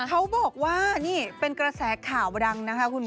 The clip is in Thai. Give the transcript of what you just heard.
เขาบอกว่านี่เป็นกระแสข่าวดังนะคะคุณ